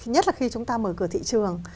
nhất là khi chúng ta mở cửa thị trường